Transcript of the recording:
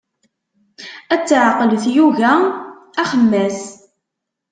Ad teɛqel tyuga axemmas.